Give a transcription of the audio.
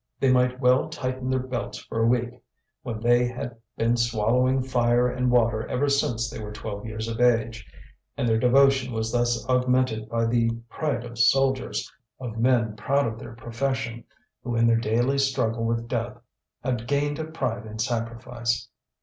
They might well tighten their belts for a week, when they had been swallowing fire and water ever since they were twelve years of age; and their devotion was thus augmented by the pride of soldiers, of men proud of their profession, who in their daily struggle with death had gained a pride in sacrifice.